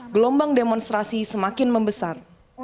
gelombang demonstrasi semakin membesar